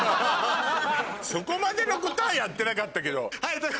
そこまでのことはやってなかったけど。